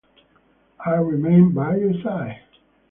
I remain by your side.